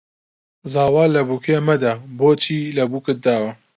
زاوا لە بووکێ مەدە بۆچی لە بووکت داوە